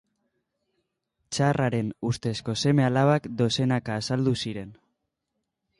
Tsarraren ustezko seme-alabak dozenaka azaldu ziren.